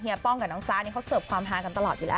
ป้องกับน้องจ๊ะนี่เขาเสิร์ฟความฮากันตลอดอยู่แล้ว